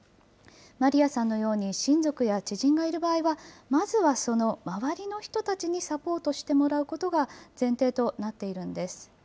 マリヤさんのように、親族や知人がいる場合は、まずはその周りの人たちにサポートしてもらうことが前提となっているんです。